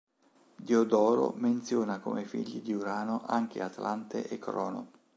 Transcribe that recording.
Diodoro menziona come figli di Urano anche Atlante e Crono.